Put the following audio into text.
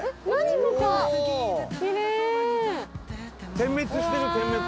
点滅してる点滅。